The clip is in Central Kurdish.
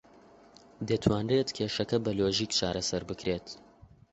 دەتوانرێت کێشەکە بە لۆژیک چارەسەر بکرێت.